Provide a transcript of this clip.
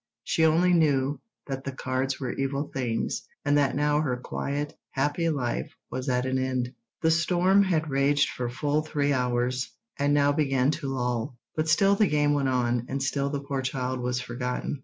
She only knew that the cards were evil things, and that now her quiet, happy life was at an end. The storm had raged for full three hours, and now began to lull; but still the game went on, and still the poor child was forgotten.